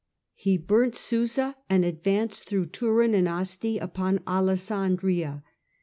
He burnt Susa and advanced through Turin and Asti upon Alessandria.